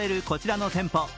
こちらの店舗